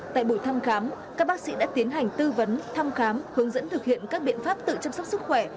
tại buổi thăm khám các bác sĩ đã tiến hành tư vấn thăm khám hướng dẫn thực hiện các biện pháp tự chăm sóc sức khỏe